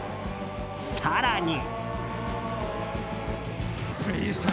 更に。